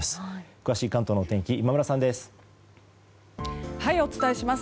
詳しい関東の天気今村さんです。